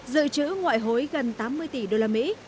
dự trữ ngoại hối gần tám mươi tỷ đô la mỹ